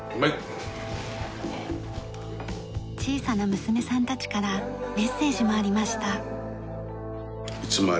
小さな娘さんたちからメッセージもありました。